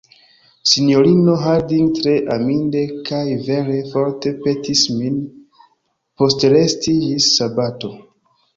Sinjorino Harding tre aminde kaj vere forte petis min postresti ĝis sabato.